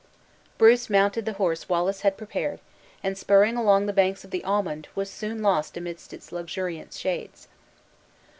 Bruce mounted the horse Wallace had prepared, and spurring along the banks of the Almond, was soon lost amidst its luxuriant shades.